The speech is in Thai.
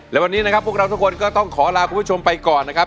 และวันนี้นะครับพวกเราทุกคนก็ต้องขอลาคุณผู้ชมไปก่อนนะครับ